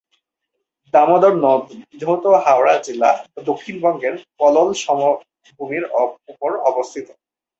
দামোদর নদ বিধৌত হাওড়া জেলা দক্ষিণবঙ্গের পলল সমভূমির উপর অবস্থিত।